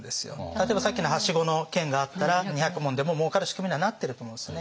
例えばさっきのはしごの件があったら２００文でももうかる仕組みにはなってると思うんですね。